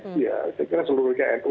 saya kira seluruh nu